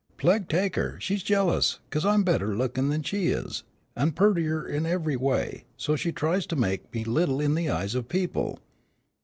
Pleg take 'er, she's jealous, 'cause I'm better lookin' than she is, an' pearter in every way, so she tries to make me little in the eyes of people.